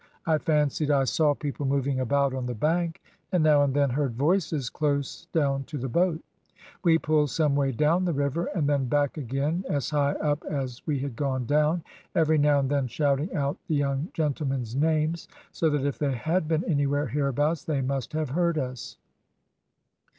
I fancied I saw people moving about on the bank, and now and then heard voices close down to the boat. We pulled some way down the river and then back again as high up as we had gone down, every now and then shouting out the young gentlemen's names, so that if they had been anywhere hereabouts they must have heard us."